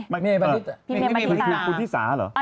พี่เมย์บันทิตาพี่เมย์บันทิตาคุณที่สาเหรอ